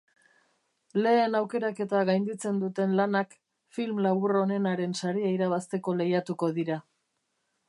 Lehen aukeraketa gainditzen duten lanak film labur onenaren saria irabazteko lehiatuko dira.